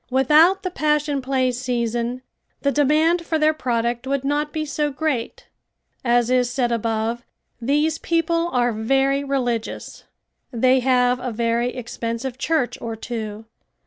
Without the Passion Play season the demand for their product would not be so great. As is said above these people are very religious. They have a very expensive church or two.